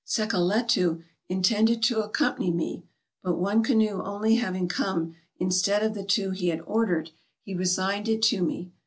Sekeletu intended to accompany me, but one canoe only having come instead of the two he had ordered, he resigned it to me.